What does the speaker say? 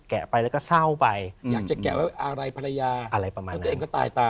ไปแล้วก็เศร้าไปอยากจะแกะไว้อะไรภรรยาอะไรประมาณแล้วตัวเองก็ตายตา